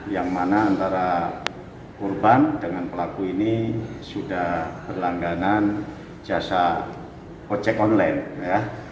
yang mana antara korban dengan pelaku ini sudah berlangganan jasa ojek online ya